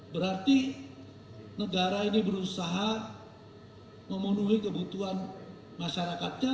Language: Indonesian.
berarti negara ini berusaha memenuhi kebutuhan masyarakatnya